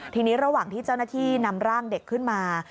ทีนี้ระหว่างที่เจ้าหน้าที่นำร่างเด็กขึ้นมา